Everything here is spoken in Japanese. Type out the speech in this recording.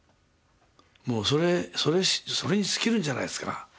もうそれに尽きるんじゃないですか？